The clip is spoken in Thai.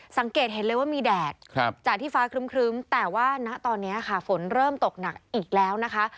สังเกตเห็นเลยว่ามีแดดจากที่ฟ้าครึ้มแต่ว่าณตอนนี้ค่ะฝนเริ่มตกหนักอีกแล้วนะคะ